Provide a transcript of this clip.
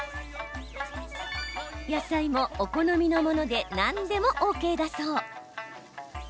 野菜もお好みのもので何でもＯＫだそう。